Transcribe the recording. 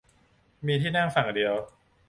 มีที่นั่งฝั่งเดียว